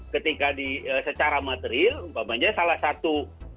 ketika secara material umpamanya salah satu